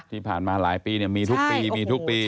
ที่ผ่านมาหลายปีมีทุกปีมีทุกปี